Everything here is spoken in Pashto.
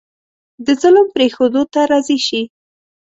د ظلم پرېښودو ته راضي شي.